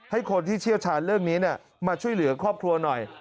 ให้คนที่เชี่ยวชาญเรื่องนี้มาช่วยเหลือครอบครัวหน่อย